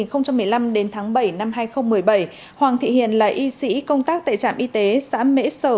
từ năm hai nghìn một mươi năm đến tháng bảy năm hai nghìn một mươi bảy hoàng thị hiền là y sĩ công tác tại trạm y tế xã mễ sở